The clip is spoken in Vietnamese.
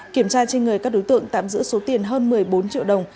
kiểm tra trên người các đối tượng tạm giữ số tiền hơn một mươi bốn triệu đồng